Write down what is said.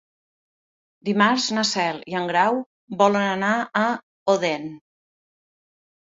Dimarts na Cel i en Grau volen anar a Odèn.